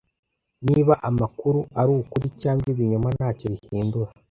Niba amakuru ari ukuri cyangwa ibinyoma ntacyo bihindura.